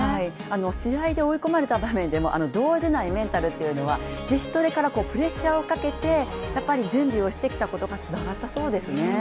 試合で追い込まれた場面でも動じないメンタルは自主トレからプレッシャーをかけて準備をしてきたことがつながったそうですね。